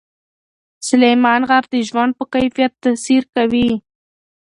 سلیمان غر د ژوند په کیفیت تاثیر کوي.